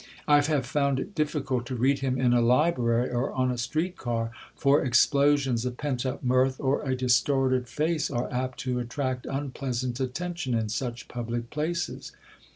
I have found it difficult to read him in a library or on a street car, for explosions of pent up mirth or a distorted face are apt to attract unpleasant attention in such public places.